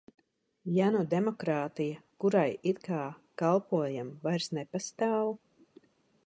Ja nu demokrātija, kurai it kā kalpojam, vairs nepastāv?